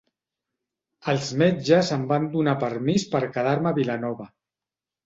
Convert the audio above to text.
Els metges em van donar permís per quedar-me a Vilanova.